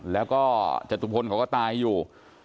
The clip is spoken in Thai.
แล้วก็จตุพลเขาก็ตายอยู่